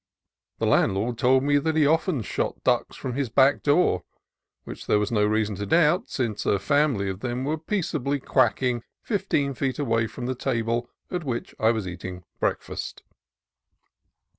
The landlord told me that he often shot ducks from his back door, which there was no reason to doubt, since a family of them were peacefully quacking fifteen feet away from the table at which I was eating breakfast.